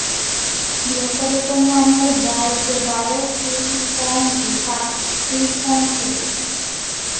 The operator manually guides the wire through the foam to cut freeform shapes.